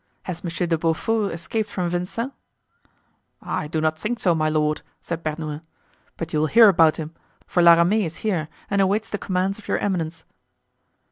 Has Monsieur de Beaufort escaped from Vincennes?" "I do not think so, my lord," said Bernouin; "but you will hear about him, for La Ramee is here and awaits the commands of your eminence."